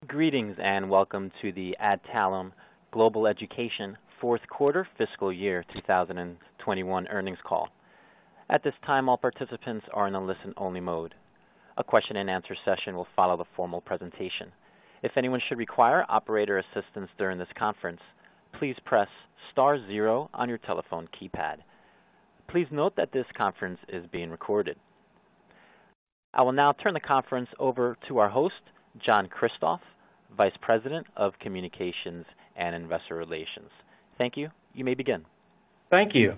I will now turn the conference over to our host, John Kristoff, Vice President of Communications and Investor Relations. Thank you. You may begin. Thank you.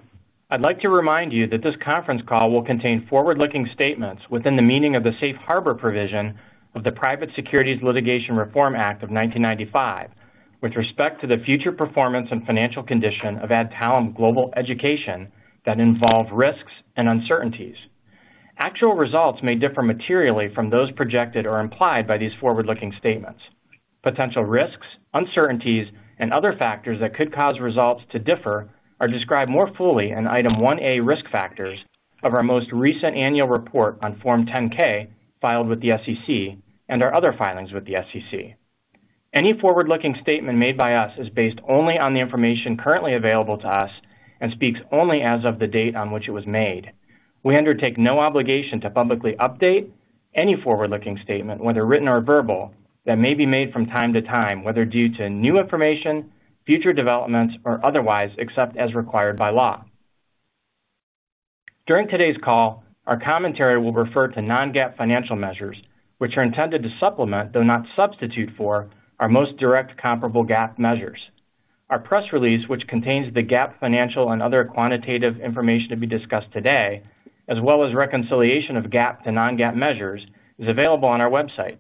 I'd like to remind you that this conference call will contain forward-looking statements within the meaning of the Safe Harbor provision of the Private Securities Litigation Reform Act of 1995 with respect to the future performance and financial condition of Adtalem Global Education that involve risks and uncertainties. Actual results may differ materially from those projected or implied by these forward-looking statements. Potential risks, uncertainties, and other factors that could cause results to differ are described more fully in Item 1A Risk Factors of our most recent annual report on Form 10-K filed with the SEC and our other filings with the SEC. Any forward-looking statement made by us is based only on the information currently available to us and speaks only as of the date on which it was made. We undertake no obligation to publicly update any forward-looking statement, whether written or verbal, that may be made from time to time, whether due to new information, future developments, or otherwise, except as required by law. During today's call, our commentary will refer to non-GAAP financial measures, which are intended to supplement, though not substitute for, our most direct comparable GAAP measures. Our press release, which contains the GAAP financial and other quantitative information to be discussed today, as well as reconciliation of GAAP to non-GAAP measures, is available on our website.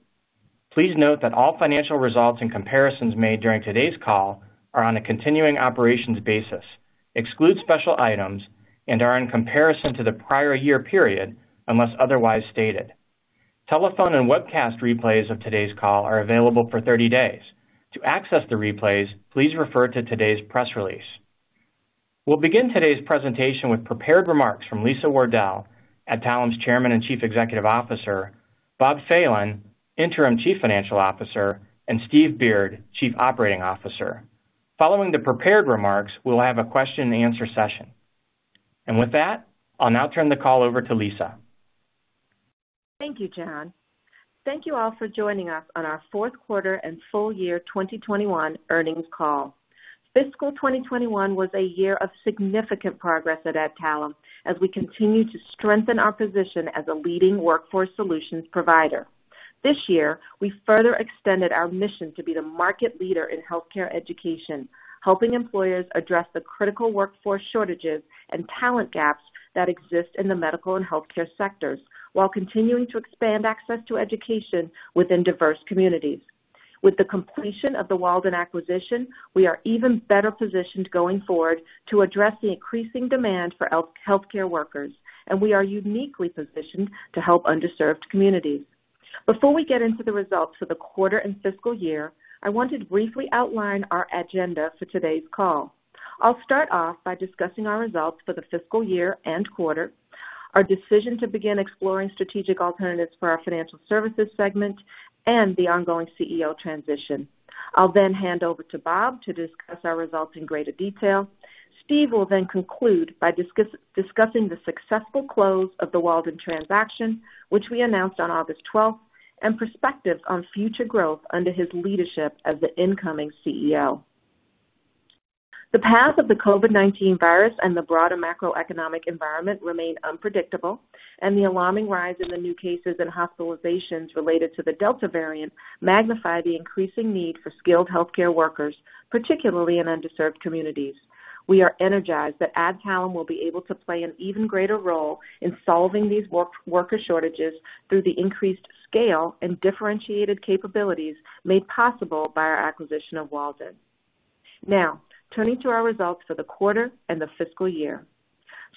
Please note that all financial results and comparisons made during today's call are on a continuing operations basis, exclude special items, and are in comparison to the prior year period, unless otherwise stated. Telephone and webcast replays of today's call are available for 30 days. To access the replays, please refer to today's press release. We'll begin today's presentation with prepared remarks from Lisa Wardell, Adtalem's Chairman and Chief Executive Officer, Bob Phelan, Interim Chief Financial Officer, and Steve Beard, Chief Operating Officer. Following the prepared remarks, we'll have a question and answer session. With that, I'll now turn the call over to Lisa. Thank you, John Kristoff. Thank you all for joining us on our 4th quarter and full year 2021 earnings call. Fiscal 2021 was a year of significant progress at Adtalem as we continue to strengthen our position as a leading workforce solutions provider. This year, we further extended our mission to be the market leader in healthcare education, helping employers address the critical workforce shortages and talent gaps that exist in the medical and healthcare sectors while continuing to expand access to education within diverse communities. With the completion of the Walden acquisition, we are even better positioned going forward to address the increasing demand for healthcare workers, and we are uniquely positioned to help underserved communities. Before we get into the results for the quarter and fiscal year, I want to briefly outline our agenda for today's call. I'll start off by discussing our results for the fiscal year and quarter, our decision to begin exploring strategic alternatives for our financial services segment, and the ongoing CEO transition. I'll then hand over to Bob to discuss our results in greater detail. Steve will then conclude by discussing the successful close of the Walden transaction, which we announced on August 12th, and perspectives on future growth under his leadership as the incoming CEO. The path of the COVID-19 virus and the broader macroeconomic environment remain unpredictable, and the alarming rise in the new cases and hospitalizations related to the Delta variant magnify the increasing need for skilled healthcare workers, particularly in underserved communities. We are energized that Adtalem will be able to play an even greater role in solving these worker shortages through the increased scale and differentiated capabilities made possible by our acquisition of Walden. Turning to our results for the quarter and the fiscal year.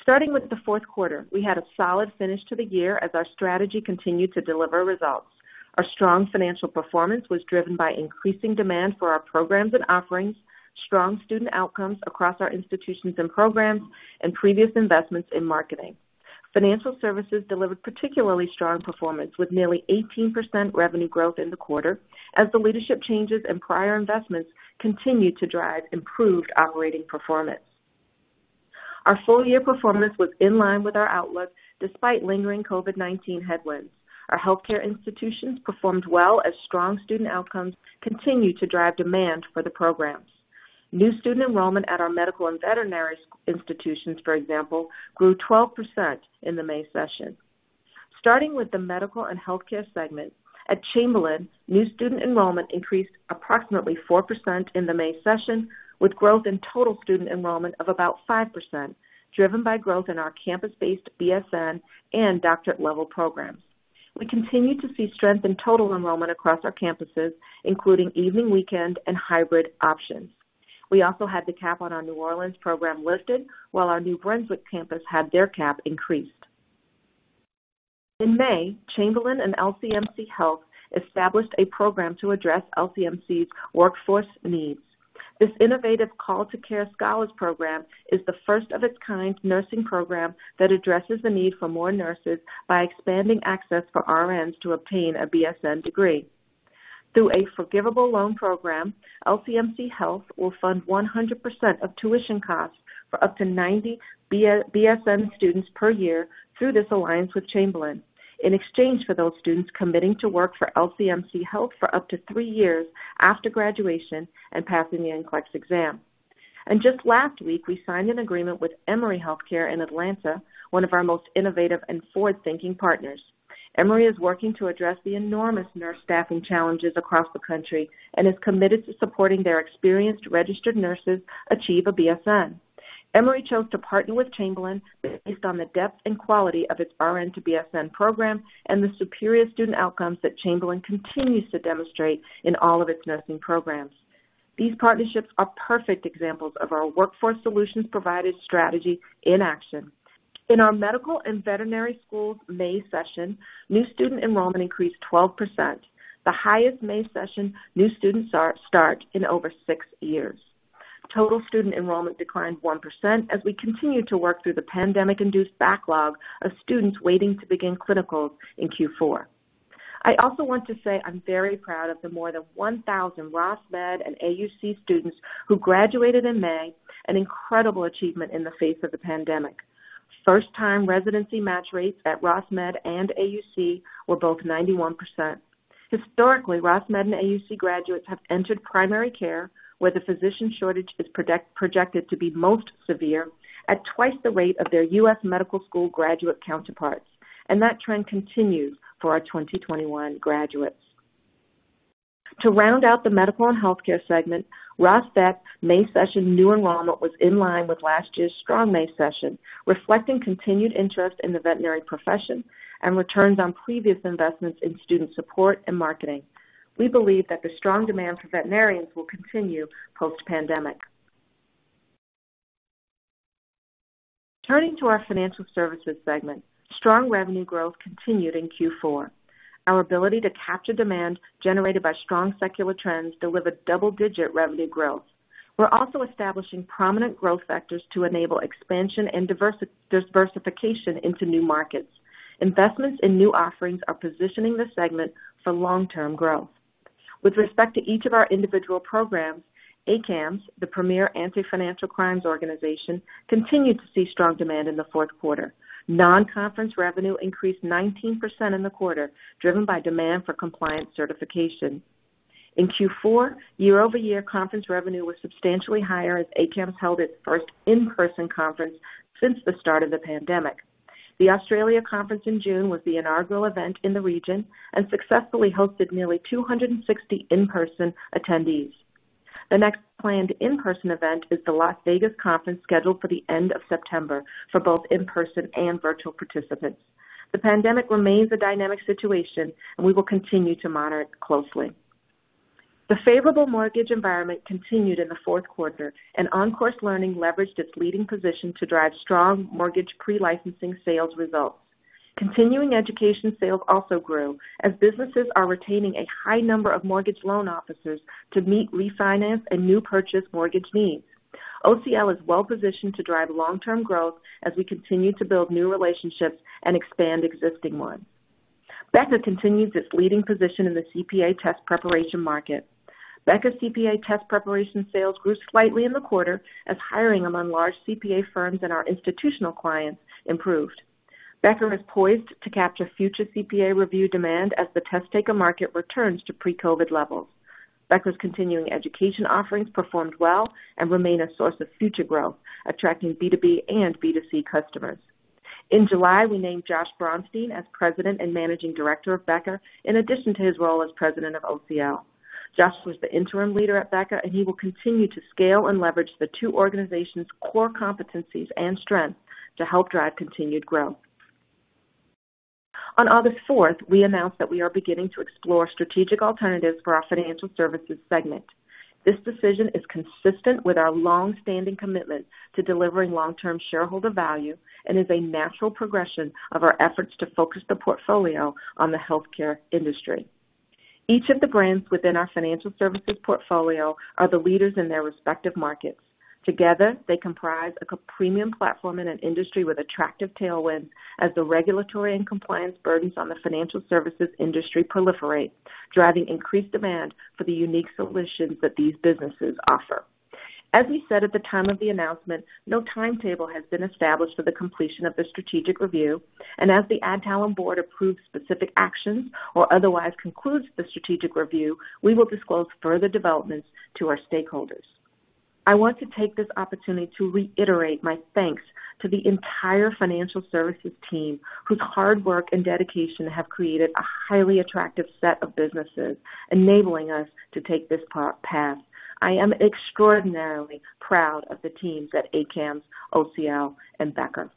Starting with the fourth quarter, we had a solid finish to the year as our strategy continued to deliver results. Our strong financial performance was driven by increasing demand for our programs and offerings, strong student outcomes across our institutions and programs, and previous investments in marketing. Financial services delivered particularly strong performance, with nearly 18% revenue growth in the quarter as the leadership changes and prior investments continued to drive improved operating performance. Our full year performance was in line with our outlook, despite lingering COVID-19 headwinds. Our healthcare institutions performed well as strong student outcomes continued to drive demand for the programs. New student enrollment at our medical and veterinary institutions, for example, grew 12% in the May session. Starting with the Medical and Healthcare segment, at Chamberlain, new student enrollment increased approximately 4% in the May session, with growth in total student enrollment of about 5%, driven by growth in our campus-based BSN and doctorate level programs. We continue to see strength in total enrollment across our campuses, including evening, weekend, and hybrid options. We also had the cap on our New Orleans program lifted while our New Brunswick campus had their cap increased. In May, Chamberlain and LCMC Health established a program to address LCMC's workforce needs. This innovative Called-to-Care Scholars Program is the first of its kind nursing program that addresses the need for more nurses by expanding access for RNs to obtain a BSN degree. Through a forgivable loan program, LCMC Health will fund 100% of tuition costs for up to 90 BSN students per year through this alliance with Chamberlain, in exchange for those students committing to work for LCMC Health for up to three years after graduation and passing the NCLEX exam. Just last week, we signed an agreement with Emory Healthcare in Atlanta, one of our most innovative and forward-thinking partners. Emory is working to address the enormous nurse staffing challenges across the country and is committed to supporting their experienced registered nurses achieve a BSN. Emory chose to partner with Chamberlain based on the depth and quality of its RN to BSN program and the superior student outcomes that Chamberlain continues to demonstrate in all of its nursing programs. These partnerships are perfect examples of our workforce solutions providers strategy in action. In our medical and veterinary schools May session, new student enrollment increased 12%, the highest May session new student start in over six years. Total student enrollment declined 1% as we continue to work through the pandemic-induced backlog of students waiting to begin clinicals in Q4. I also want to say I'm very proud of the more than 1,000 Ross Med and AUC students who graduated in May, an incredible achievement in the face of the pandemic. First-time residency match rates at Ross Med and AUC were both 91%. Historically, Ross Med and AUC graduates have entered primary care, where the physician shortage is projected to be most severe, at twice the rate of their U.S. medical school graduate counterparts, and that trend continues for our 2021 graduates. To round out the Medical and Healthcare segment, Ross Vet's May session new enrollment was in line with last year's strong May session, reflecting continued interest in the veterinary profession and returns on previous investments in student support and marketing. We believe that the strong demand for veterinarians will continue post-pandemic. Turning to our Financial Services segment, strong revenue growth continued in Q4. Our ability to capture demand generated by strong secular trends delivered double-digit revenue growth. We're also establishing prominent growth vectors to enable expansion and diversification into new markets. Investments in new offerings are positioning the segment for long-term growth. With respect to each of our individual programs, ACAMS, the premier anti-financial crimes organization, continued to see strong demand in the fourth quarter. Non-conference revenue increased 19% in the quarter, driven by demand for compliance certification. In Q4, year-over-year conference revenue was substantially higher as ACAMS held its first in-person conference since the start of the pandemic. The Australia conference in June was the inaugural event in the region and successfully hosted nearly 260 in-person attendees. The next planned in-person event is the Las Vegas conference, scheduled for the end of September for both in-person and virtual participants. The pandemic remains a dynamic situation, and we will continue to monitor it closely. The favorable mortgage environment continued in the fourth quarter, and OnCourse Learning leveraged its leading position to drive strong mortgage pre-licensing sales results. Continuing education sales also grew, as businesses are retaining a high number of mortgage loan officers to meet refinance and new purchase mortgage needs. OCL is well positioned to drive long-term growth as we continue to build new relationships and expand existing ones. Becker continues its leading position in the CPA test preparation market. Becker CPA test preparation sales grew slightly in the quarter as hiring among large CPA firms and our institutional clients improved. Becker is poised to capture future CPA review demand as the test-taker market returns to pre-COVID levels. Becker's continuing education offerings performed well and remain a source of future growth, attracting B2B and B2C customers. In July, we named Josh Braunstein as President and Managing Director of Becker, in addition to his role as President of OCL. Josh was the interim leader at Becker, and he will continue to scale and leverage the two organizations' core competencies and strengths to help drive continued growth. On August 4th, we announced that we are beginning to explore strategic alternatives for our financial services segment. This decision is consistent with our longstanding commitment to delivering long-term shareholder value and is a natural progression of our efforts to focus the portfolio on the healthcare industry. Each of the brands within our financial services portfolio are the leaders in their respective markets. Together, they comprise a premium platform in an industry with attractive tailwinds as the regulatory and compliance burdens on the financial services industry proliferate, driving increased demand for the unique solutions that these businesses offer. As we said at the time of the announcement, no timetable has been established for the completion of the strategic review, and as the Adtalem board approves specific actions or otherwise concludes the strategic review, we will disclose further developments to our stakeholders. I want to take this opportunity to reiterate my thanks to the entire financial services team, whose hard work and dedication have created a highly attractive set of businesses, enabling us to take this path. I am extraordinarily proud of the teams at ACAMS, OCL, and Becker.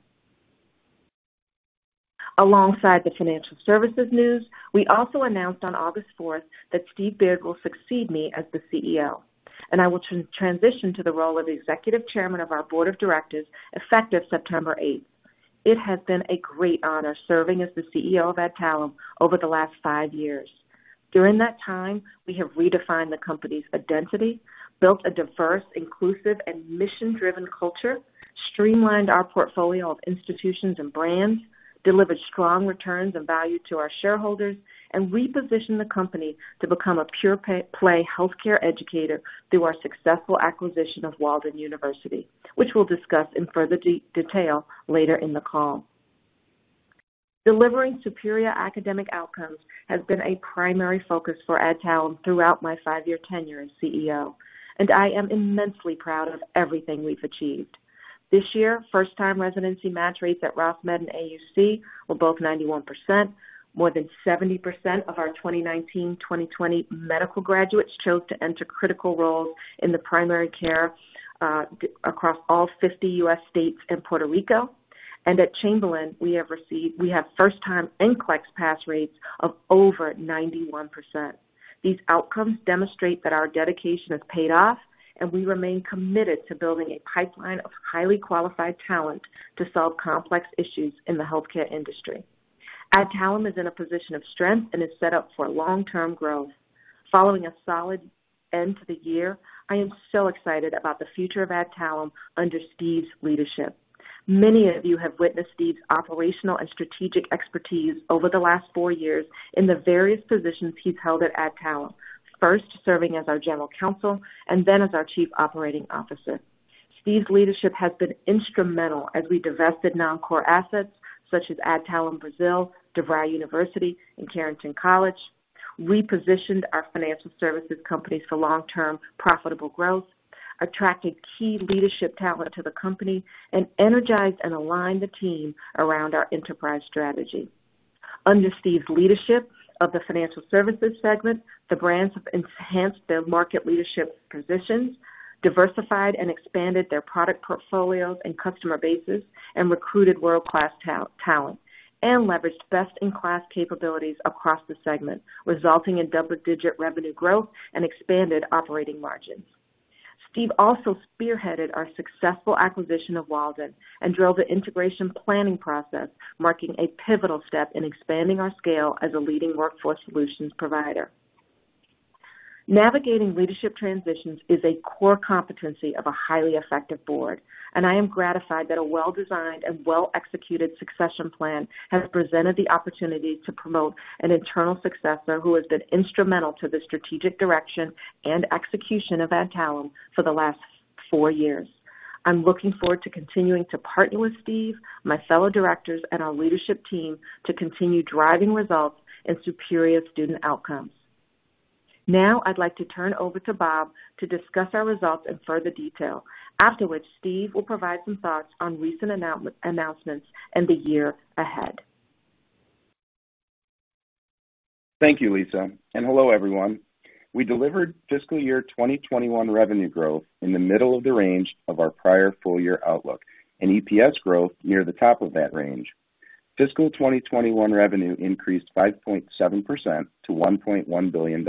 Alongside the financial services news, we also announced on August 4th that Steve Beard will succeed me as the CEO, and I will transition to the role of Executive Chairman of our Board of Directors, effective September 8th. It has been a great honor serving as the CEO of Adtalem over the last five years. During that time, we have redefined the company's identity, built a diverse, inclusive, and mission-driven culture, streamlined our portfolio of institutions and brands, delivered strong returns and value to our shareholders, and repositioned the company to become a pure play healthcare educator through our successful acquisition of Walden University, which we'll discuss in further detail later in the call. Delivering superior academic outcomes has been a primary focus for Adtalem throughout my five-year tenure as CEO, and I am immensely proud of everything we've achieved. This year, first-time residency match rates at Ross Med and AUC were both 91%. More than 70% of our 2019/2020 medical graduates chose to enter critical roles in the primary care, across all 50 U.S. states and Puerto Rico. At Chamberlain, we have first time NCLEX pass rates of over 91%. These outcomes demonstrate that our dedication has paid off, and we remain committed to building a pipeline of highly qualified talent to solve complex issues in the healthcare industry. Adtalem is in a position of strength and is set up for long-term growth. Following a solid end to the year, I am so excited about the future of Adtalem under Steve's leadership. Many of you have witnessed Steve's operational and strategic expertise over the last four years in the various positions he's held at Adtalem. First serving as our general counsel and then as our Chief Operating Officer. Steve's leadership has been instrumental as we divested non-core assets such as Adtalem Brazil, DeVry University, and Carrington College. We positioned our financial services companies for long-term profitable growth, attracted key leadership talent to the company, and energized and aligned the team around our enterprise strategy. Under Steve's leadership of the financial services segment, the brands have enhanced their market leadership positions, diversified and expanded their product portfolios and customer bases, recruited world-class talent, and leveraged best-in-class capabilities across the segment, resulting in double-digit revenue growth and expanded operating margins. Steve also spearheaded our successful acquisition of Walden and drove the integration planning process, marking a pivotal step in expanding our scale as a leading workforce solutions provider. Navigating leadership transitions is a core competency of a highly effective board, and I am gratified that a well-designed and well-executed succession plan has presented the opportunity to promote an internal successor who has been instrumental to the strategic direction and execution of Adtalem for the last four years. I'm looking forward to continuing to partner with Steve, my fellow directors, and our leadership team to continue driving results and superior student outcomes. Now, I'd like to turn over to Bob to discuss our results in further detail. Afterwards, Steve will provide some thoughts on recent announcements and the year ahead. Thank you, Lisa, and hello, everyone. We delivered fiscal year 2021 revenue growth in the middle of the range of our prior full year outlook and EPS growth near the top of that range. Fiscal 2021 revenue increased 5.7% to $1.1 billion,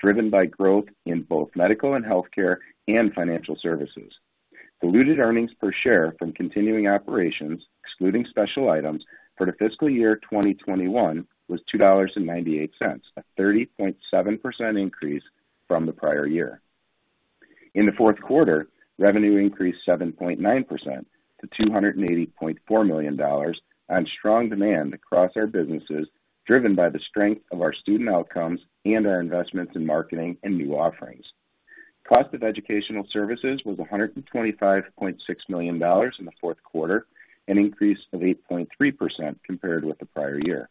driven by growth in both Medical and Healthcare and Financial Services. Diluted earnings per share from continuing operations, excluding special items, for the fiscal year 2021 was $2.98, a 30.7% increase from the prior year. In the fourth quarter, revenue increased 7.9% to $280.4 million on strong demand across our businesses, driven by the strength of our student outcomes and our investments in marketing and new offerings. Cost of educational services was $125.6 million in the fourth quarter, an increase of 8.3% compared with the prior year.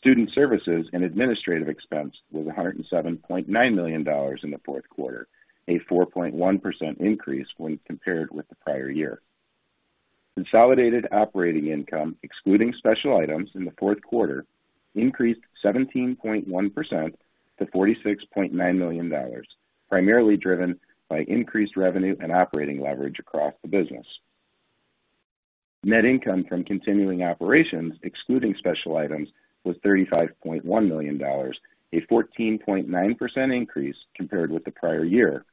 Student services and administrative expense was $107.9 million in the fourth quarter, a 4.1% increase when compared with the prior year. Consolidated operating income, excluding special items in the fourth quarter, increased 17.1% to $46.9 million, primarily driven by increased revenue and operating leverage across the business. Net income from continuing operations, excluding special items, was $35.1 million, a 14.9% increase compared with the prior year.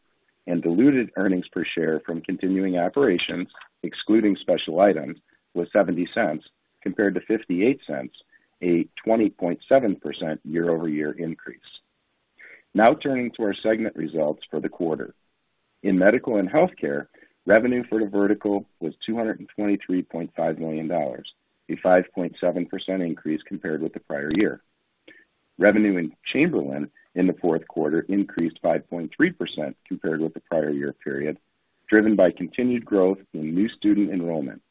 Diluted earnings per share from continuing operations, excluding special items, was $0.70 compared to $0.58, a 20.7% year-over-year increase. Now turning to our segment results for the quarter. In medical and healthcare, revenue for the vertical was $223.5 million, a 5.7% increase compared with the prior year. Revenue in Chamberlain in the fourth quarter increased 5.3% compared with the prior year period, driven by continued growth in new student enrollment.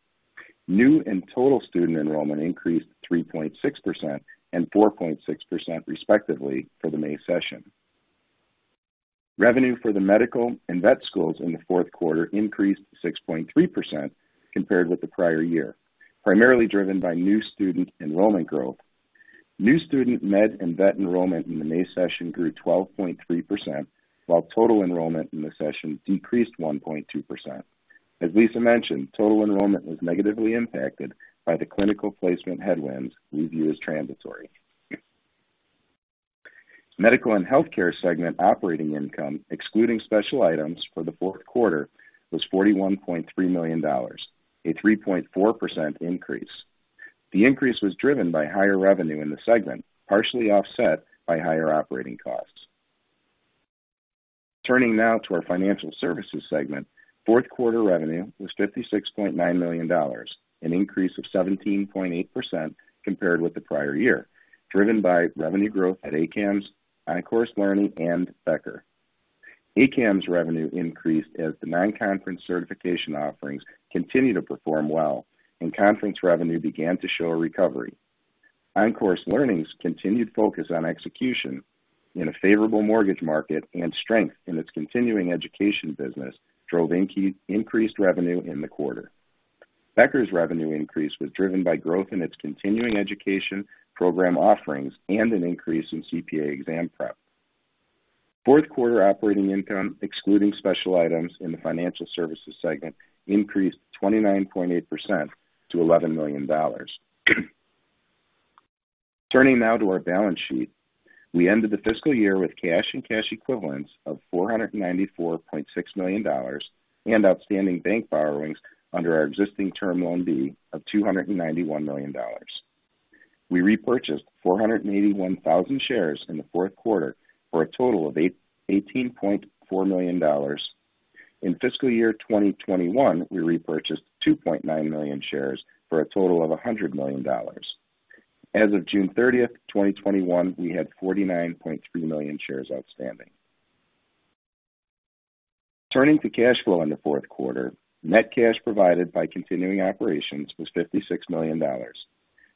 New and total student enrollment increased 3.6% and 4.6%, respectively, for the May session. Revenue for the medical and vet schools in the fourth quarter increased 6.3% compared with the prior year, primarily driven by new student enrollment growth. New student med and vet enrollment in the May session grew 12.3%, while total enrollment in the session decreased 1.2%. As Lisa mentioned, total enrollment was negatively impacted by the clinical placement headwinds we view as transitory. Medical and healthcare segment operating income, excluding special items for the fourth quarter, was $41.3 million, a 3.4% increase. The increase was driven by higher revenue in the segment, partially offset by higher operating costs. Turning now to our financial services segment. Fourth quarter revenue was $56.9 million, an increase of 17.8% compared with the prior year, driven by revenue growth at ACAMS, OnCourse Learning, and Becker. ACAMS revenue increased as the non-conference certification offerings continued to perform well, and conference revenue began to show a recovery. OnCourse Learning's continued focus on execution in a favorable mortgage market and strength in its continuing education business drove increased revenue in the quarter. Becker's revenue increase was driven by growth in its continuing education program offerings and an increase in CPA exam prep. Fourth quarter operating income, excluding special items in the financial services segment, increased 29.8% to $11 million. Turning now to our balance sheet. We ended the fiscal year with cash and cash equivalents of $494.6 million and outstanding bank borrowings under our existing Term Loan B of $291 million. We repurchased 481,000 shares in the fourth quarter for a total of $18.4 million. In fiscal year 2021, we repurchased 2.9 million shares for a total of $100 million. As of June 30th, 2021, we had 49.3 million shares outstanding. Turning to cash flow in the fourth quarter, net cash provided by continuing operations was $56 million.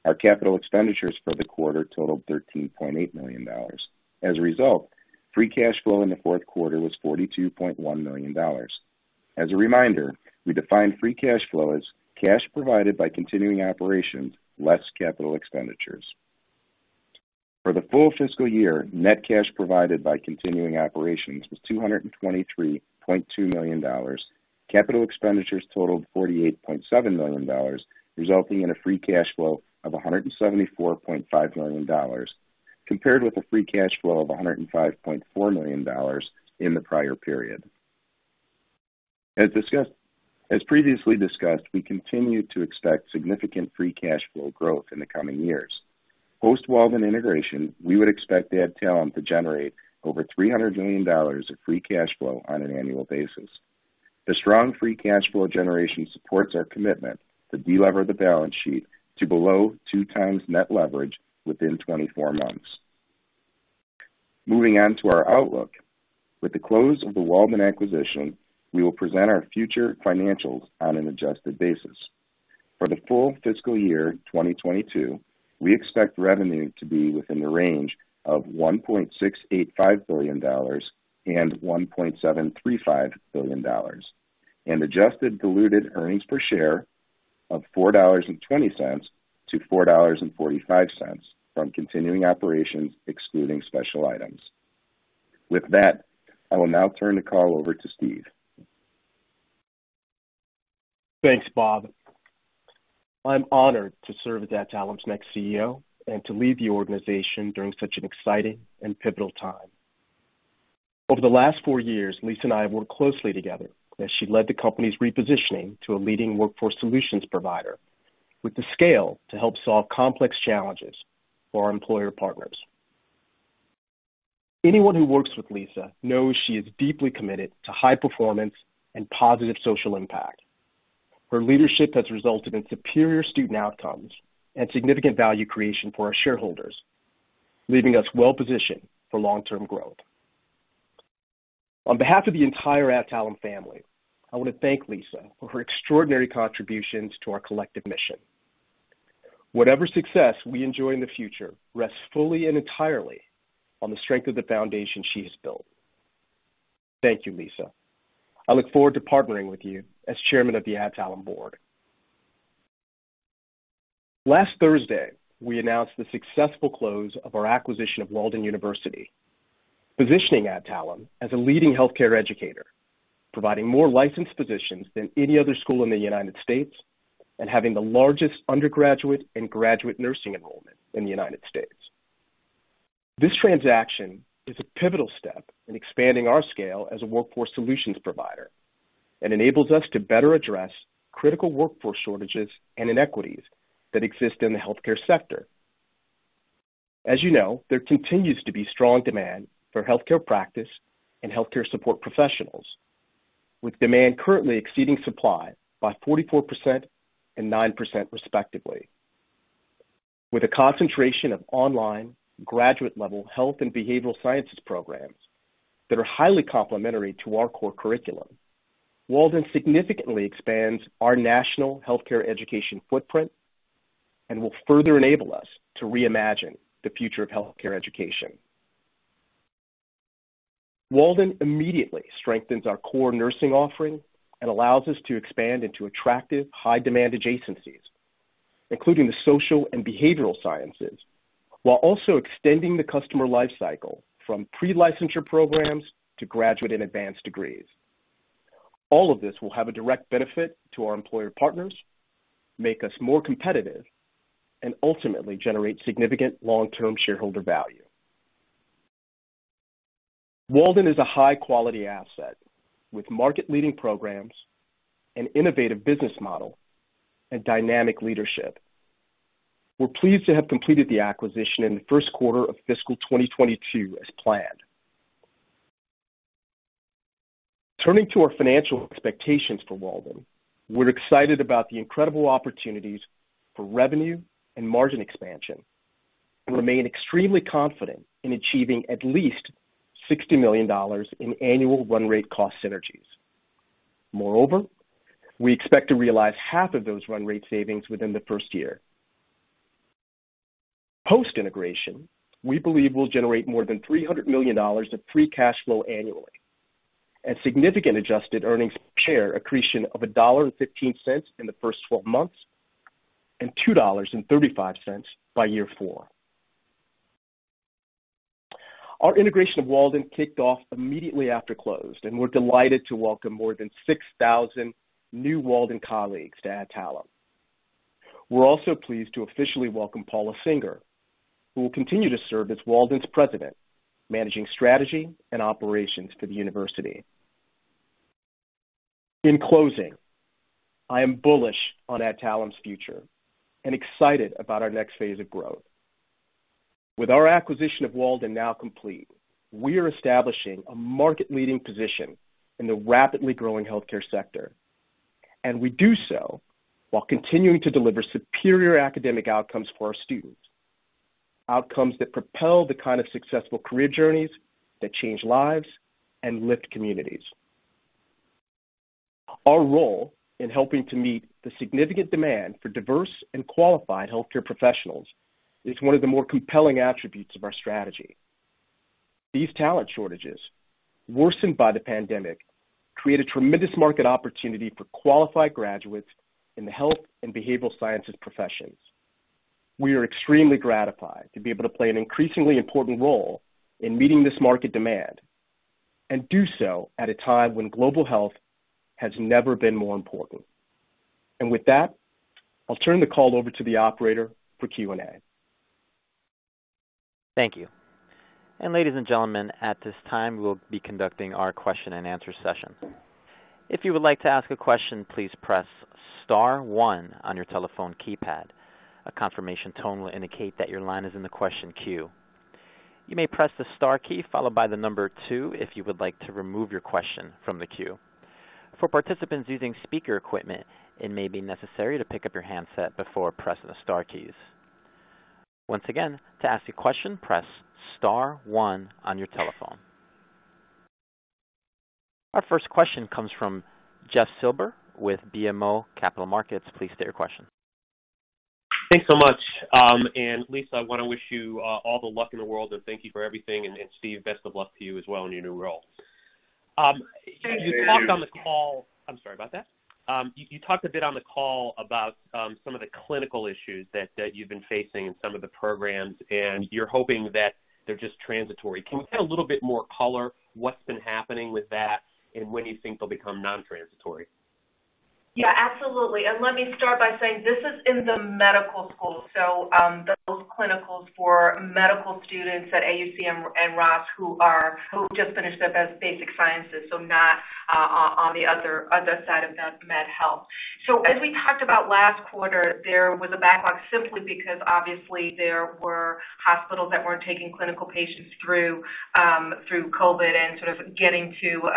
Our capital expenditures for the quarter totaled $13.8 million. As a result, free cash flow in the fourth quarter was $42.1 million. As a reminder, we define free cash flow as cash provided by continuing operations less capital expenditures. For the full fiscal year, net cash provided by continuing operations was $223.2 million. Capital expenditures totaled $48.7 million, resulting in a free cash flow of $174.5 million, compared with a free cash flow of $105.4 million in the prior period. As previously discussed, we continue to expect significant free cash flow growth in the coming years. Post Walden integration, we would expect Adtalem to generate over $300 million of free cash flow on an annual basis. The strong free cash flow generation supports our commitment to delever the balance sheet to below two times net leverage within 24 months. Moving on to our outlook. With the close of the Walden acquisition, we will present our future financials on an adjusted basis. For the full fiscal year 2022, we expect revenue to be within the range of $1.685 billion and $1.735 billion, and adjusted diluted earnings per share of $4.20-$4.45 from continuing operations, excluding special items. With that, I will now turn the call over to Steve. Thanks, Bob. I'm honored to serve as Adtalem's next CEO and to lead the organization during such an exciting and pivotal time. Over the last four years, Lisa and I have worked closely together as she led the company's repositioning to a leading workforce solutions provider with the scale to help solve complex challenges for our employer partners. Anyone who works with Lisa knows she is deeply committed to high performance and positive social impact. Her leadership has resulted in superior student outcomes and significant value creation for our shareholders, leaving us well positioned for long-term growth. On behalf of the entire Adtalem family, I want to thank Lisa for her extraordinary contributions to our collective mission. Whatever success we enjoy in the future rests fully and entirely on the strength of the foundation she has built. Thank you, Lisa. I look forward to partnering with you as chairman of the Adtalem board. Last Thursday, we announced the successful close of our acquisition of Walden University, positioning Adtalem as a leading healthcare educator, providing more licensed physicians than any other school in the U.S., and having the largest undergraduate and graduate nursing enrollment in the U.S. This transaction is a pivotal step in expanding our scale as a workforce solutions provider and enables us to better address critical workforce shortages and inequities that exist in the healthcare sector. As you know, there continues to be strong demand for healthcare practice and healthcare support professionals, with demand currently exceeding supply by 44% and 9% respectively. With a concentration of online graduate-level health and behavioral sciences programs that are highly complementary to our core curriculum, Walden significantly expands our national healthcare education footprint and will further enable us to reimagine the future of healthcare education. Walden immediately strengthens our core nursing offering and allows us to expand into attractive, high-demand adjacencies, including the social and behavioral sciences, while also extending the customer life cycle from pre-licensure programs to graduate and advanced degrees. All of this will have a direct benefit to our employer partners, make us more competitive, and ultimately generate significant long-term shareholder value. Walden is a high-quality asset with market-leading programs, an innovative business model, and dynamic leadership. We're pleased to have completed the acquisition in the first quarter of fiscal 2022 as planned. Turning to our financial expectations for Walden, we're excited about the incredible opportunities for revenue and margin expansion and remain extremely confident in achieving at least $60 million in annual run rate cost synergies. We expect to realize half of those run rate savings within the 1st year. Post-integration, we believe we'll generate more than $300 million of free cash flow annually and significant adjusted earnings per share accretion of $1.15 in the 1st 12 months and $2.35 by year 4. Our integration of Walden kicked off immediately after close, and we're delighted to welcome more than 6,000 new Walden colleagues to Adtalem. We're also pleased to officially welcome Paula Singer, who will continue to serve as Walden's president, managing strategy and operations for the university. In closing, I am bullish on Adtalem's future and excited about our next phase of growth. With our acquisition of Walden now complete, we are establishing a market-leading position in the rapidly growing healthcare sector. We do so while continuing to deliver superior academic outcomes for our students, outcomes that propel the kind of successful career journeys that change lives and lift communities. Our role in helping to meet the significant demand for diverse and qualified healthcare professionals is one of the more compelling attributes of our strategy. These talent shortages, worsened by the pandemic, create a tremendous market opportunity for qualified graduates in the health and behavioral sciences professions. We are extremely gratified to be able to play an increasingly important role in meeting this market demand and do so at a time when global health has never been more important. With that, I'll turn the call over to the operator for Q&A. Thank you. Ladies and gentlemen, at this time, we'll be conducting our question and answer session. If you would like to ask a question, please press star 1 on your telephone keypad. A confirmation tone will indicate that your line is in the question queue. You may press the star key followed by the number 2 if you would like to remove your question from the queue. For participants using speaker equipment, it may be necessary to pick up your handset before pressing the star keys. Once again, to ask a question, press star 1 on your telephone. Our first question comes from Jeff Silber with BMO Capital Markets. Please state your question. Thanks so much. Lisa, I want to wish you all the luck in the world, and thank you for everything. Steve, best of luck to you as well in your new role. Thank you. You talked a bit on the call about some of the clinical issues that you've been facing in some of the programs, and you're hoping that they're just transitory. Can we get a little bit more color? What's been happening with that, and when do you think they'll become non-transitory? Yeah, absolutely. Let me start by saying this is in the medical school, so those clinicals for medical students at AUC and Ross who just finished their basic sciences, so not on the other side of Med+Health. As we talked about last quarter, there was a backlog simply because obviously there were hospitals that weren't taking clinical patients through COVID-19 and sort of getting to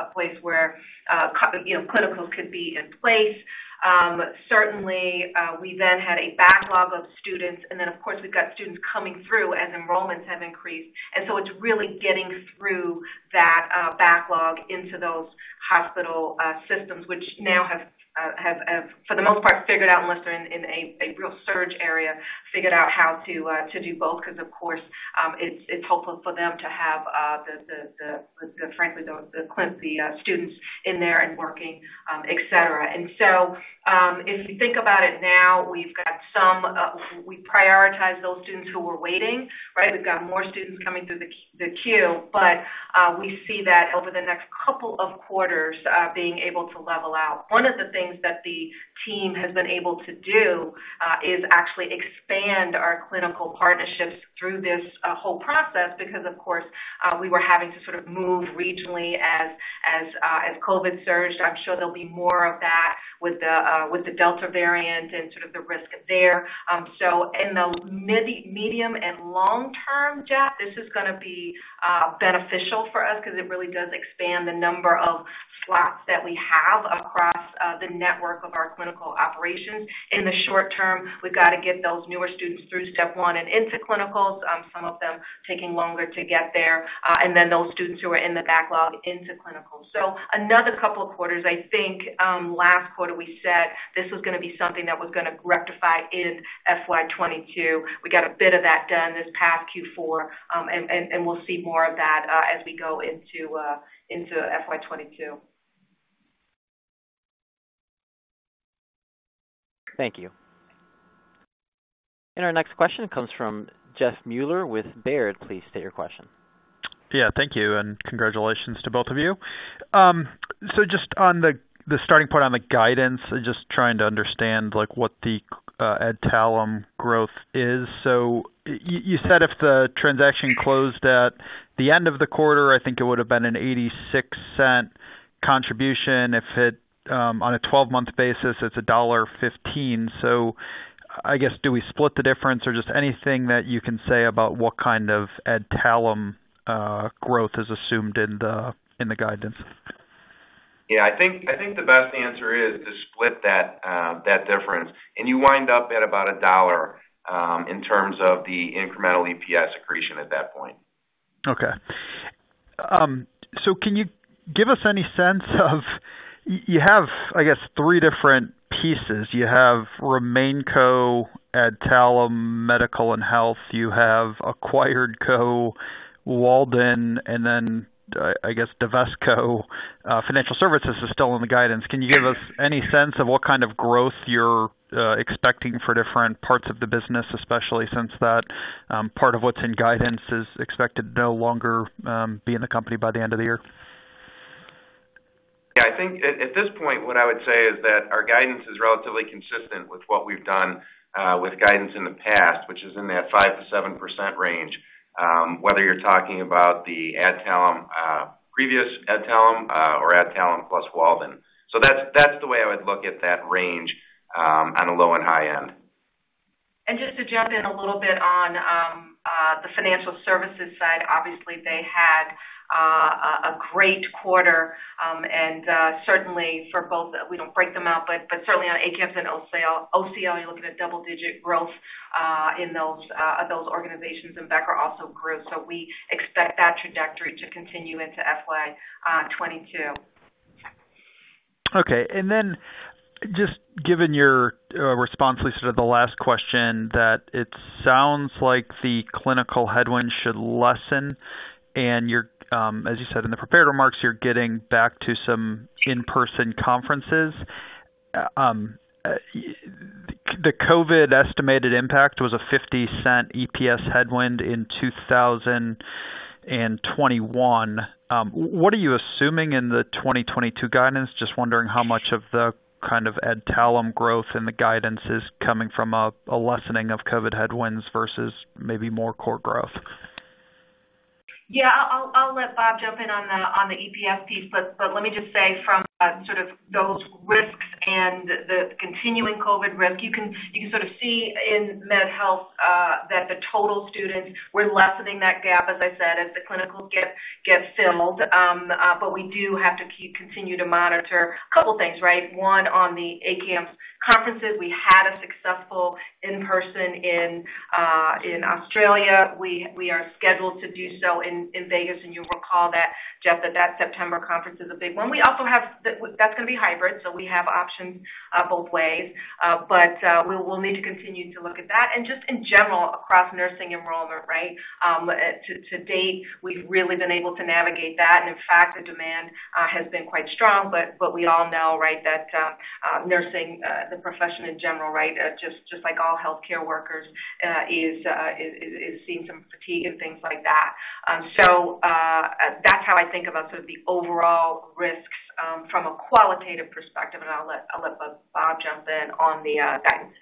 a place where clinicals could be in place. Certainly, we then had a backlog of students, and then, of course, we've got students coming through as enrollments have increased. It's really getting through that backlog into those hospital systems, which now have, for the most part, figured out, unless they're in a real surge area, figured out how to do both, because, of course it's helpful for them to have, frankly, the students in there and working et cetera. If you think about it now, we prioritize those students who are waiting, right? We've got more students coming through the queue, but we see that over the next 2 quarters being able to level out. One of the things that the team has been able to do is actually expand our clinical partnerships through this whole process because, of course, we were having to sort of move regionally as COVID-19 surged. I'm sure there'll be more of that with the Delta variant and sort of the risk there. In the medium and long term, Jeff, this is going to be beneficial for us because it really does expand the number of slots that we have across the network of our clinical operations. In the short term, we've got to get those newer students through step one and into clinicals, some of them taking longer to get there, and then those students who are in the backlog into clinicals. Another couple of quarters. I think last quarter we said this was going to be something that was going to rectify in FY 2022. We got a bit of that done this past Q4, and we'll see more of that as we go into FY 2022. Thank you. Our next question comes from Jeff Meuler with Baird. Please state your question. Yeah, thank you, and congratulations to both of you. Just on the starting point on the guidance, just trying to understand what the Adtalem growth is. You said if the transaction closed at the end of the quarter, I think it would've been an $0.86 contribution. On a 12-month basis, it's $1.15. I guess, do we split the difference or just anything that you can say about what kind of Adtalem growth is assumed in the guidance? Yeah, I think the best answer is to split that difference, and you wind up at about $1 in terms of the incremental EPS accretion at that point. Can you give us any sense of, you have, I guess, 3 different pieces. You have RemainCo, Adtalem, Med+Health. You have AcquiredCo, Walden, and then, I guess, DivestCo. Financial Services is still in the guidance. Can you give us any sense of what kind of growth you're expecting for different parts of the business, especially since that part of what's in guidance is expected to no longer be in the company by the end of the year? Yeah, I think at this point, what I would say is that our guidance is relatively consistent with what we've done with guidance in the past, which is in that 5%-7% range, whether you're talking about the previous Adtalem or Adtalem plus Walden. That's the way I would look at that range on a low and high end. Just to jump in a little bit on the financial services side, obviously, they had a great quarter, and certainly for both, we don't break them out, but certainly on ACAMS and OCL, you're looking at double-digit growth of those organizations, and Becker also grew. We expect that trajectory to continue into FY 2022. Okay, just given your response, Lisa, to the last question, that it sounds like the clinical headwinds should lessen, and as you said in the prepared remarks, you're getting back to some in-person conferences. The COVID-19 estimated impact was a $0.50 EPS headwind in 2021. What are you assuming in the 2022 guidance? Just wondering how much of the kind of Adtalem growth in the guidance is coming from a lessening of COVID-19 headwinds versus maybe more core growth. Yeah, I'll let Bob jump in on the EPS piece, but let me just say from sort of those risks and the continuing COVID risk, you can sort of see in Med+Health that the total students, we're lessening that gap, as I said, as the clinicals get filled. We do have to continue to monitor a couple things, right? One, on the ACAMS conferences, we had a successful in-person in Australia. We are scheduled to do so in Vegas, and you'll recall, Jeff, that that September conference is a big one. That's going to be hybrid, so we have options both ways. We'll need to continue to look at that. Just in general, across nursing enrollment, right? To date, we've really been able to navigate that, and in fact, the demand has been quite strong. We all know that nursing, the profession in general, just like all healthcare workers, is seeing some fatigue and things like that. That's how I think about sort of the overall risks from a qualitative perspective, and I'll let Bob Phelan jump in on the guidance.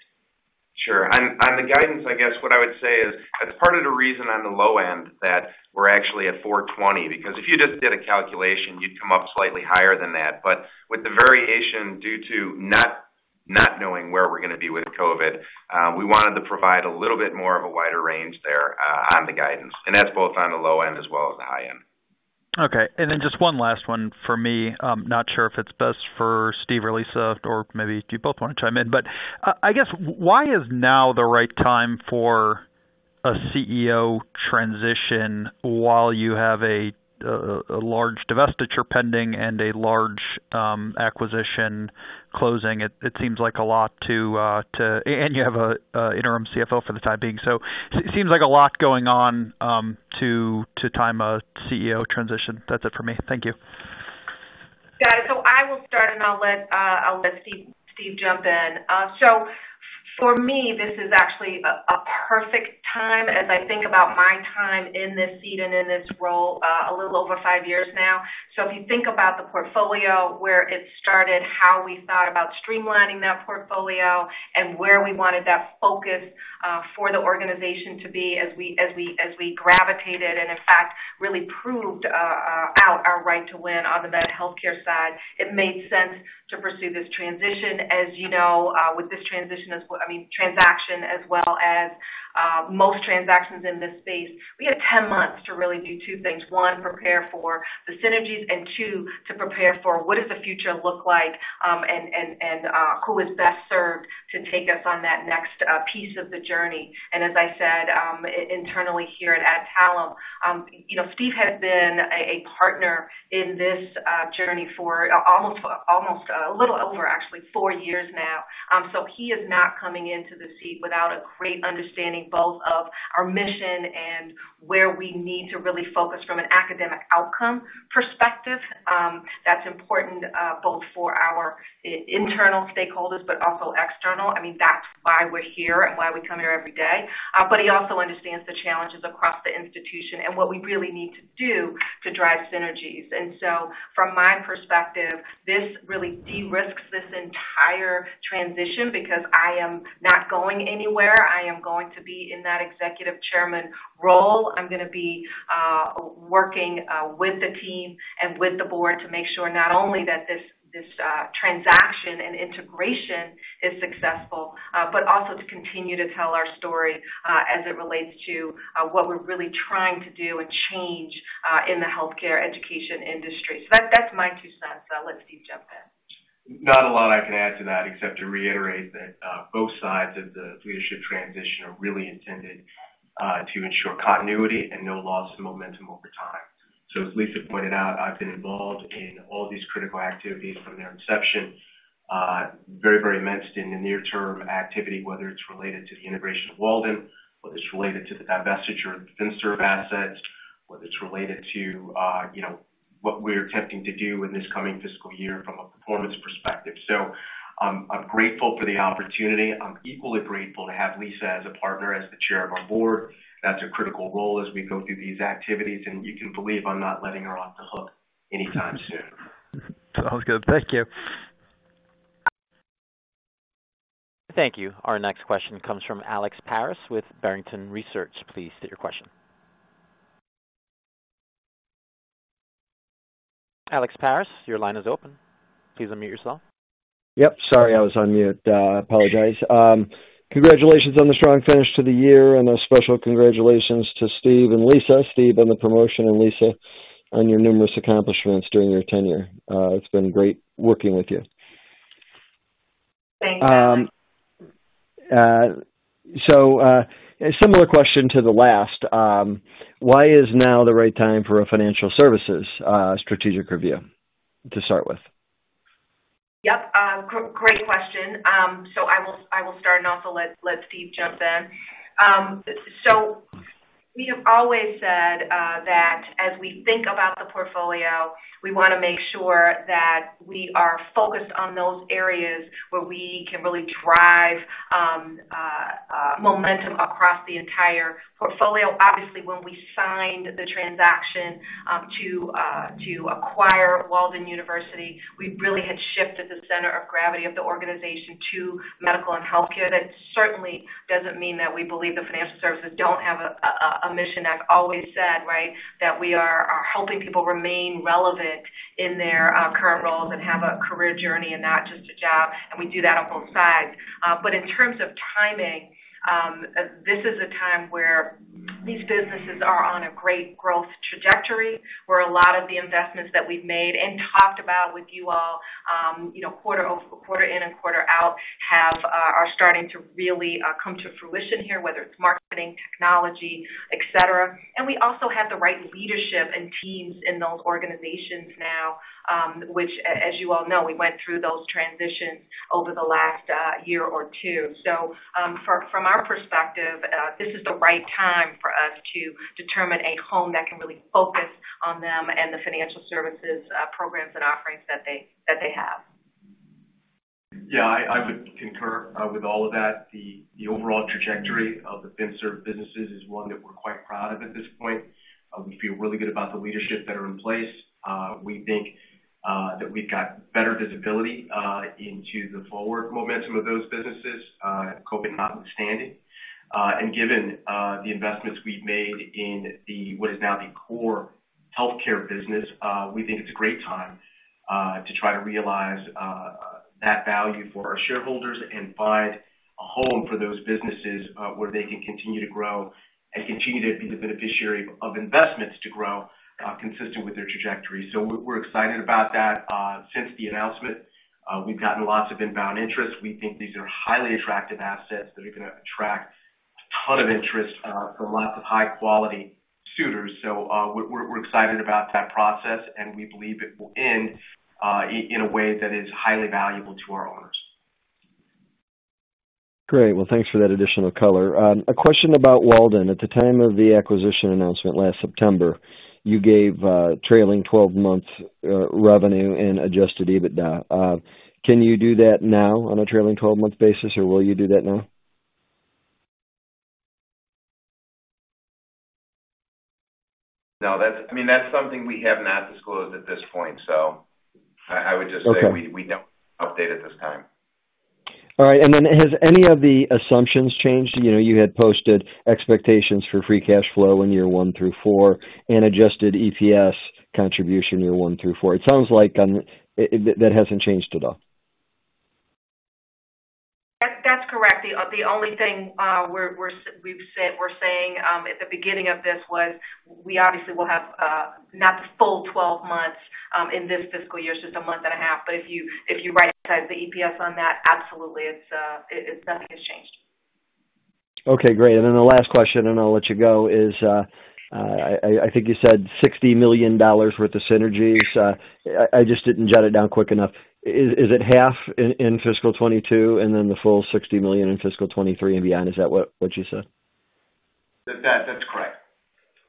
Sure. On the guidance, I guess what I would say is part of the reason on the low end that we're actually at $420, because if you just did a calculation, you'd come up slightly higher than that. With the variation due to not knowing where we're going to be with COVID, we wanted to provide a little bit more of a wider range there on the guidance, and that's both on the low end as well as the high end. Okay, just one last one for me. Not sure if it's best for Steve or Lisa, or maybe do you both want to chime in. I guess why is now the right time for a CEO transition while you have a large divestiture pending and a large acquisition closing? It seems like a lot. You have an interim CFO for the time being. It seems like a lot going on to time a CEO transition. That's it for me. Thank you. Yeah, I will start, and I'll let Steve jump in. For me, this is actually a perfect time as I think about my time in this seat and in this role, a little over 5 years now. If you think about the portfolio, where it started, how we thought about streamlining that portfolio, and where we wanted that focus for the organization to be as we gravitated and, in fact, really proved out our right to win on the Med+Healthcare side, it made sense to pursue this transition. As you know, with this transaction as well as most transactions in this space, we had 10 months to really do 2 things. 1, prepare for the synergies, and 2, to prepare for what does the future look like, and who is best served to take us on that next piece of the journey. As I said, internally here at Adtalem, Steve has been a partner in this journey for a little over actually four years now. He is not coming into the seat without a great understanding both of our mission and where we need to really focus from an academic outcome perspective. That's important both for our internal stakeholders, but also external. I mean, that's why we're here and why we come here every day. He also understands the challenges across the institution and what we really need to do to drive synergies. From my perspective, this really de-risks this entire transition because I am not going anywhere. I am going to be in that executive chairman role. I'm going to be working with the team and with the board to make sure not only that this transaction and integration is successful, but also to continue to tell our story as it relates to what we're really trying to do and change in the healthcare education industry. That's my $0.02. I'll let Steve jump in. Not a lot I can add to that, except to reiterate that both sides of the leadership transition are really intended to ensure continuity and no loss of momentum over time. As Lisa pointed out, I've been involved in all these critical activities from their inception. Very, very immersed in the near-term activity, whether it's related to the integration of Walden, whether it's related to the divestiture of the FinServ assets, whether it's related to what we're attempting to do in this coming fiscal year from a performance perspective. I'm grateful for the opportunity. I'm equally grateful to have Lisa as a partner, as the chair of our board. That's a critical role as we go through these activities, and you can believe I'm not letting her off the hook anytime soon. Sounds good. Thank you. Thank you. Our next question comes from Alex Paris with Barrington Research. Please state your question. Alex Paris, your line is open. Please unmute yourself. Yep. Sorry, I was on mute. I apologize. Congratulations on the strong finish to the year, and a special congratulations to Steve and Lisa. Steve on the promotion, and Lisa on your numerous accomplishments during your tenure. It's been great working with you. Thanks. A similar question to the last. Why is now the right time for a financial services strategic review to start with? Yep. Great question. I will start and also let Steve Beard jump in. We have always said that as we think about the portfolio, we want to make sure that we are focused on those areas where we can really drive momentum across the entire portfolio. Obviously, when we signed the transaction to acquire Walden University, we really had shifted the center of gravity of the organization to Medical and Healthcare. That certainly doesn't mean that we believe that FinServ don't have a mission. I've always said that we are helping people remain relevant in their current roles and have a career journey and not just a job, and we do that on both sides. In terms of timing, this is a time where these businesses are on a great growth trajectory, where a lot of the investments that we've made and talked about with you all quarter in and quarter out are starting to really come to fruition here, whether it's marketing, technology, et cetera. We also have the right leadership and teams in those organizations now, which, as you all know, we went through those transitions over the last year or two. From our perspective, this is the right time for us to determine a home that can really focus on them and the financial services programs and offerings that they have. Yeah, I would concur with all of that. The overall trajectory of the FinServ businesses is one that we're quite proud of at this point. We feel really good about the leadership that are in place. We think that we've got better visibility into the forward momentum of those businesses, COVID-19 notwithstanding. Given the investments we've made in the what is now the core Med+Healthcare business, we think it's a great time to try to realize that value for our shareholders and find a home for those businesses where they can continue to grow and continue to be the beneficiary of investments to grow consistent with their trajectory. We're excited about that. Since the announcement, we've gotten lots of inbound interest. We think these are highly attractive assets that are going to attract a ton of interest from lots of high-quality suitors. We're excited about that process, and we believe it will end in a way that is highly valuable to our owners. Great. Well, Thanks for that additional color. A question about Walden. At the time of the acquisition announcement last September, you gave trailing 12-month revenue and adjusted EBITDA. Can you do that now on a trailing 12-month basis, or will you do that now? No. That's something we have not disclosed at this point. Okay we don't update at this time. All right. Has any of the assumptions changed? You had posted expectations for free cash flow in year one through four and adjusted EPS contribution year one through four. It sounds like that hasn't changed at all. That's correct. The only thing we're saying at the beginning of this was we obviously will have not the full 12 months in this fiscal year, it's just a month and a half. If you right size the EPS on that, absolutely, nothing has changed. Okay, great. The last question, and I'll let you go, is I think you said $60 million worth of synergies. I just didn't jot it down quick enough. Is it half in fiscal 2022 and then the full $60 million in fiscal 2023 and beyond? Is that what you said? That's correct.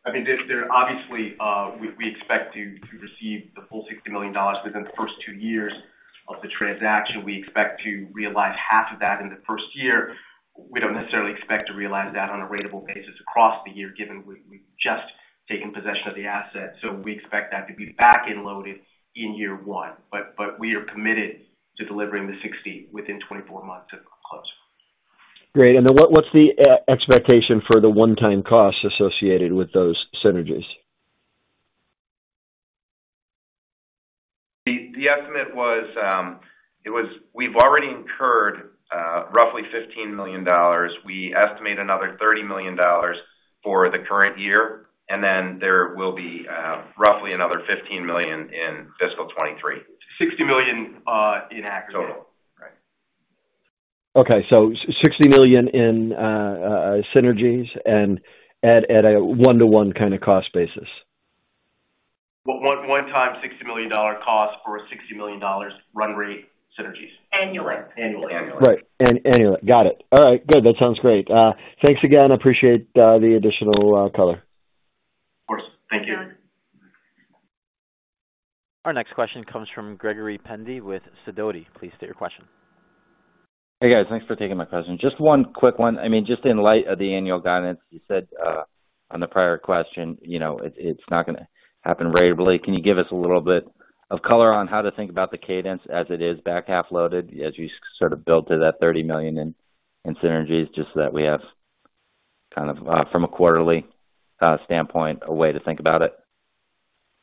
Obviously, we expect to receive the full $60 million within the first two years of the transaction. We expect to realize half of that in the first year. We don't necessarily expect to realize that on a ratable basis across the year, given we've just taken possession of the asset. We expect that to be back-end loaded in year one. We are committed to delivering the $60 within 24 months of close. Great. What's the expectation for the one-time costs associated with those synergies? The estimate was we've already incurred. Roughly $15 million. We estimate another $30 million for the current year, and then there will be roughly another $15 million in fiscal 2023. $60 million in aggregate. Total. Right. Okay, $60 million in synergies and at a one-to-one kind of cost basis. One-time $60 million cost for $60 million run rate synergies. Annually. Annually. Right. Annually. Got it. All right, good. That sounds great. Thanks again. Appreciate the additional color. Of course. Thank you. Thank you. Our next question comes from Gregory Pendy with Sidoti. Please state your question. Hey, guys. Thanks for taking my question. Just one quick one. Just in light of the annual guidance, you said on the prior question, it's not going to happen ratably. Can you give us a little bit of color on how to think about the cadence as it is back half loaded, as you sort of build to that $30 million in synergies, just so that we have from a quarterly standpoint, a way to think about it?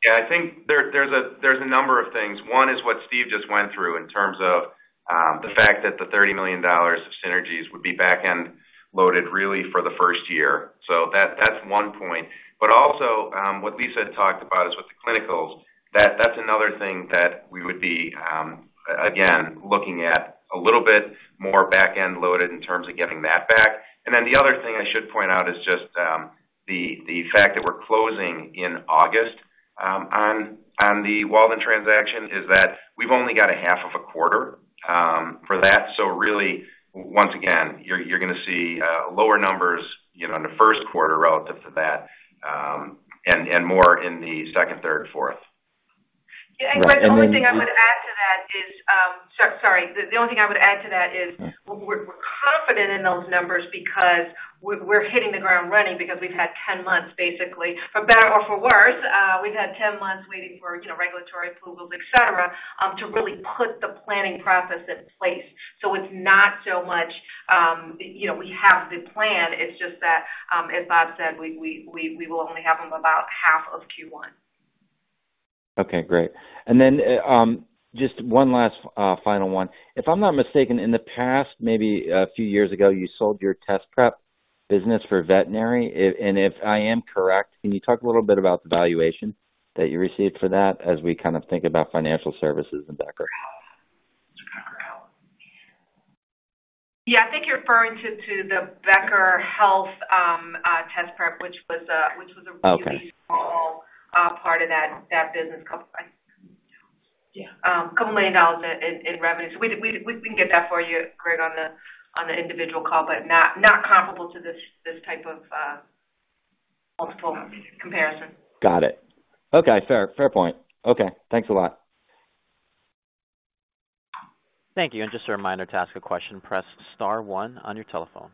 Yeah, I think there's a number of things. One is what Steve Beard just went through in terms of the fact that the $30 million of synergies would be back-end loaded really for the first year. That's one point. Also, what Lisa Wardell had talked about is with the clinicals, that's another thing that we would be, again, looking at a little bit more back-end loaded in terms of getting that back. The other thing I should point out is just the fact that we're closing in August on the Walden transaction is that we've only got a half of a quarter for that. Really, once again, you're going to see lower numbers in the first quarter relative to that, and more in the second, third, and fourth. Right, and then. The only thing I would add to that is we're confident in those numbers because we're hitting the ground running because we've had 10 months basically, for better or for worse, we've had 10 months waiting for regulatory approvals, et cetera, to really put the planning process in place. It's not so much we have the plan, it's just that, as Bob said, we will only have them about half of Q1. Okay, great. Just one last final one. If I'm not mistaken, in the past, maybe a few years ago, you sold your test prep business for veterinary. If I am correct, can you talk a little bit about the valuation that you received for that as we kind of think about financial services and Becker? Becker Health. Yeah, I think you're referring to the Becker Health test prep. Okay really small part of that business, couple of million dollars in revenue. We can get that for you, Greg, on the individual call, but not comparable to this type of multiple comparison. Got it. Okay, fair point. Okay. Thanks a lot. Thank you. Just a reminder to ask a question, press star one on your telephone.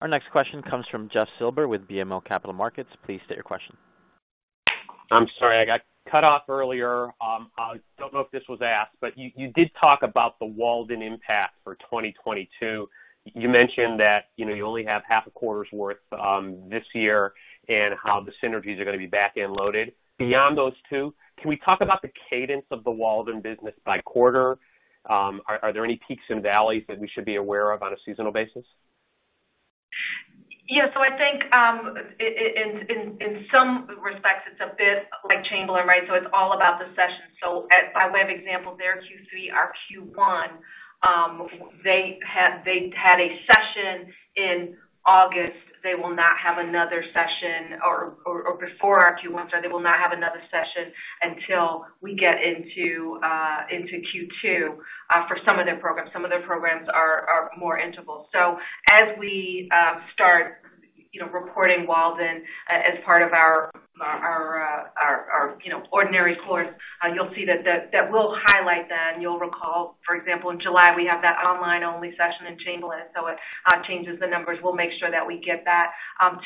Our next question comes from Jeff Silber with BMO Capital Markets. Please state your question. I'm sorry. I got cut off earlier. I don't know if this was asked, but you did talk about the Walden impact for 2022. You mentioned that you only have half a quarter's worth this year, and how the synergies are going to be back end loaded. Beyond those two, can we talk about the cadence of the Walden business by quarter? Are there any peaks and valleys that we should be aware of on a seasonal basis? I think in some respects, it's a bit like Chamberlain, right? It's all about the session. By web example their Q3, our Q1, they had a session in August. They will not have another session or before our Q1, sorry, they will not have another session until we get into Q2 for some of their programs. Some of their programs are more interval. As we start reporting Walden as part of our ordinary course, you'll see that that will highlight then. You'll recall, for example, in July, we have that online-only session in Chamberlain, it changes the numbers. We'll make sure that we get that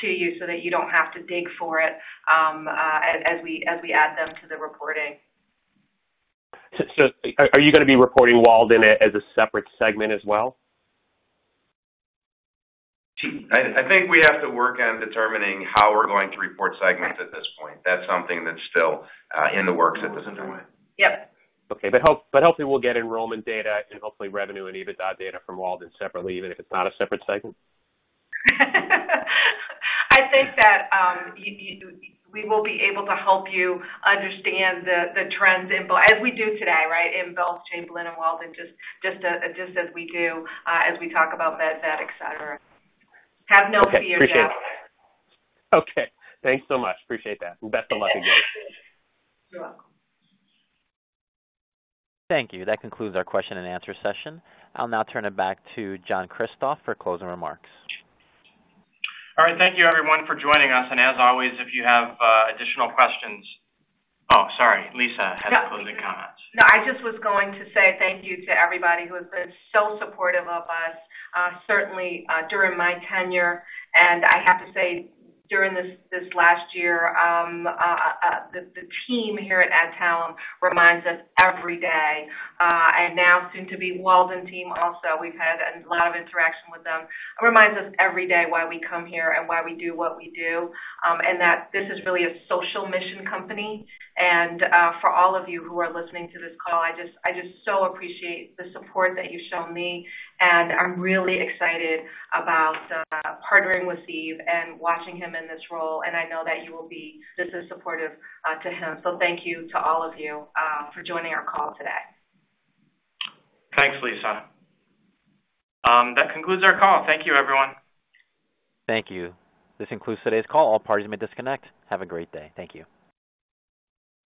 to you so that you don't have to dig for it as we add them to the reporting. Are you going to be reporting Walden as a separate segment as well? I think we have to work on determining how we're going to report segments at this point. That's something that's still in the works at this point. Yep. Okay. Hopefully we'll get enrollment data and hopefully revenue and EBITDA data from Walden separately, even if it's not a separate segment? I think that we will be able to help you understand the trends info as we do today, right? In both Chamberlain and Walden, just as we do as we talk about vet, et cetera. Have no fear, Jeff. Okay, appreciate it. Okay, thanks so much. Appreciate that. Best of luck, you guys. You're welcome. Thank you. That concludes our question and answer session. I'll now turn it back to John Kristoff for closing remarks. All right. Thank you everyone for joining us, and as always, if you have additional questions. Oh, sorry, Lisa had closing comments. I just was going to say thank you to everybody who has been so supportive of us, certainly, during my tenure. I have to say, during this last year, the team here at Adtalem reminds us every day, and now soon to be Walden team also, we've had a lot of interaction with them. It reminds us every day why we come here and why we do what we do, and that this is really a social mission company. For all of you who are listening to this call, I just so appreciate the support that you've shown me, and I'm really excited about partnering with Steve and watching him in this role, and I know that you will be just as supportive to him. Thank you to all of you for joining our call today. Thanks, Lisa. That concludes our call. Thank you, everyone. Thank you. This concludes today's call. All parties may disconnect. Have a great day. Thank you.